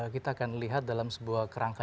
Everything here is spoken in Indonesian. kita akan lihat dalam sebuah kerangka